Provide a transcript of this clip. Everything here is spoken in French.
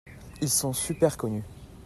Ils sont super connus.